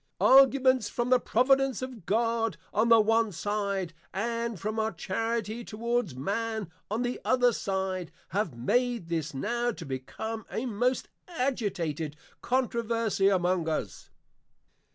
Arguments from the Providence of God, on the one side, and from our Charity towards Man on the other side, have made this now to become a most agitated Controversie among us.